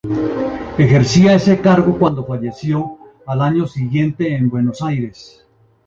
Ejercía ese cargo cuando falleció, al año siguiente, en Buenos Aires.